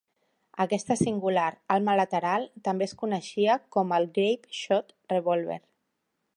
Aquesta singular arma lateral també es coneixia com el Grape Shot Revolver.